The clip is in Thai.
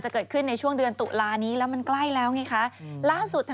แล้วจะวุ่นอะไรรู้ว่ารู้สิ